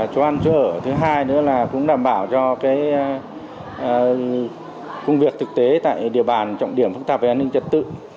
công an chưa ở thứ hai nữa là cũng đảm bảo cho công việc thực tế tại địa bàn trọng điểm phức tạp về an ninh chất tự